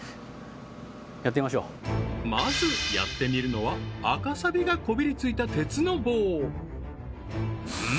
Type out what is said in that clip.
まずやってみるのは赤サビがこびりついた鉄の棒うん？